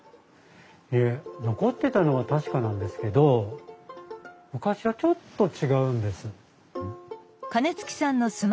いえ残ってたのは確かなんですけど昔はちょっと違うんです。